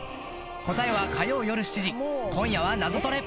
［答えは火曜夜７時『今夜はナゾトレ』］